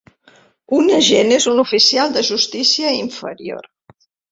Un agent és un oficial de justícia inferior.